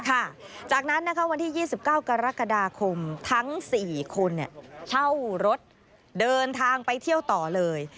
จากนั้นนะคะวันที่๒๙กรกฎาคมทั้ง๔คนเช่ารถเดินทางไปเที่ยวต่อเลย